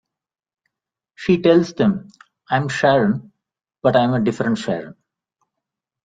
She tells them, I'm Sharon, but I'm a different Sharon.